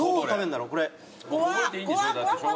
こぼれていいんでしょ？